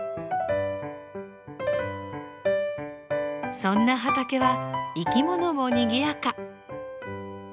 そんな畑は生き物もにぎやか。